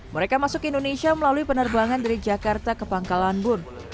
mereka masuk ke indonesia melalui penerbangan dari jakarta ke pangkalan bun